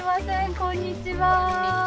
こんにちは！